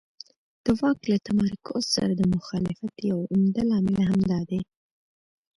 د واک له تمرکز سره د مخالفت یو عمده لامل همدا دی.